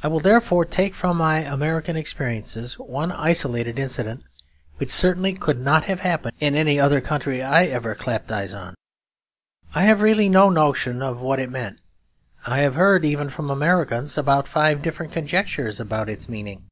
I will therefore take from my American experiences one isolated incident, which certainly could not have happened in any other country I have ever clapped eyes on. I have really no notion of what it meant. I have heard even from Americans about five different conjectures about its meaning.